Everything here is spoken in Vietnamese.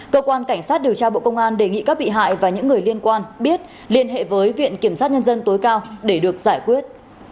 cơ quan cảnh sát điều tra bộ công an đề nghị các bị hại và những người liên quan biết liên hệ với viện kiểm sát nhân dân tối cao để được giải quyết